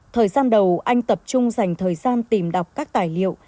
thời gian đầu anh tập trung dành thời gian tìm đọc các tài liệu